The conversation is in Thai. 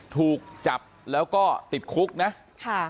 ถูกจับแล้วก็ติดคุกนะค่ะ